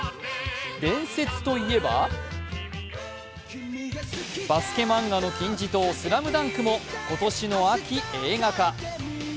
伝説といえば、バスケマンガの金字塔、「ＳＬＡＭＤＵＮＫ」も今年の秋、映画化。